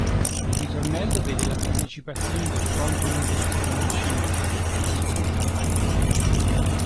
Il ritornello vede la partecipazione del frontman dei Tiromancino, Federico Zampaglione.